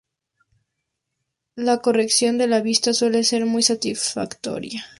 La corrección de la vista suele ser muy satisfactoria.